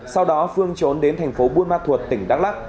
sau đó phương trốn đến thành phố buôn ma thuột tỉnh đắk lắc